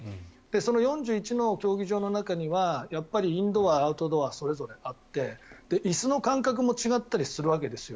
その４１の競技場の中にはインドア、アウトドアそれぞれあって、椅子の間隔も違ったりするわけですよ。